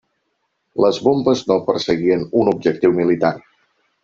Les bombes no perseguien un objectiu militar.